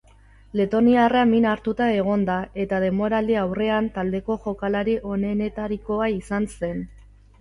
Letoniarra min hartuta egon da, eta denboraldi-aurrean taldeko jokalari onenetarikoa izan zen.